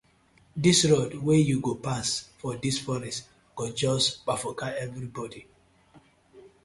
Dis road wey go pass for dis forest go just kpafuka everybodi.